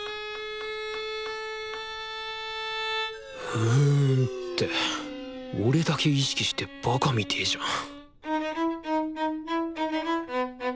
ふんって俺だけ意識してバカみてえじゃんん